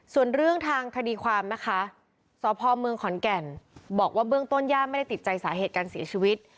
ส่วนเรื่องทางคดีความนะคะสพเมืองขอนแก่นบอกว่าเบื้องต้นย่าไม่ได้ติดใจสาเหตุการเสียชีวิต